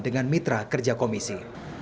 dengan mitra kerja komisi